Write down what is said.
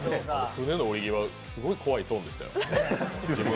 船の降り際、すごい怖いトークでしたよ。